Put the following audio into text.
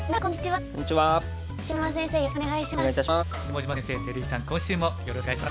はい。